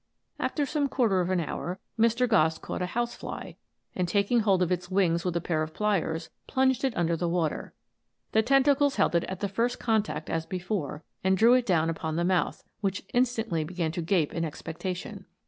After some quarter of an hour Mr. Gosse caught a house fly, and taking hold of its wings with a pair of pliers, plunged it under water. The tentacles held it at the first contact as before, and drew it down upon the mouth, which instantly began to gape in expec tation.